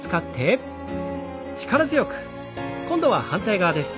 今度は反対側です。